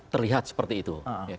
terlihat seperti itu